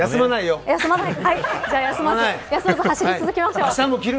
休まず走り続けましょう。